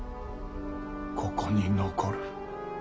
ここに残る。